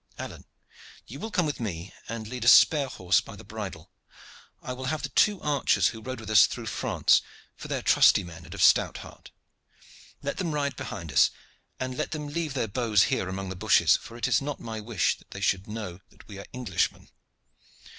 Alleyne, you will come with me, and lead a spare horse by the bridle. I will have the two archers who rode with us through France, for they are trusty men and of stout heart. Let them ride behind us, and let them leave their bows here among the bushes for it is not my wish that they should know that we are Englishmen.